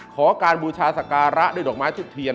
ขอการบูชาสการะด้วยดอกไม้ทุบเทียน